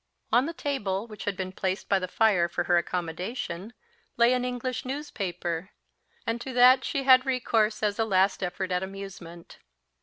On the table, which had been placed by the fire for her accommodation, lay an English newspaper; and to that she had recourse, as a last effort at amusement.